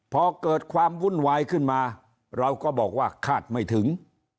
พอเกิดความวุ่นวายขึ้นมาเราก็บอกว่าคาดไม่ถึง